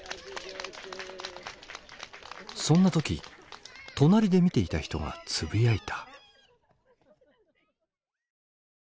そんな時隣で見ていた人がつぶやいた。